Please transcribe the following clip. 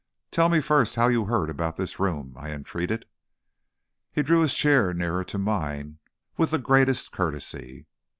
"Tell me first how you heard about this room?" I entreated. He drew his chair nearer to mine with the greatest courtesy.